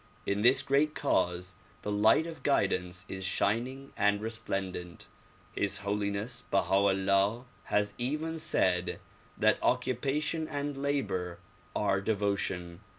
In this great cause the light of guidance is shining and radiant. His Holiness Baha 'Uli, ah has even said that occupation and labor are devotion.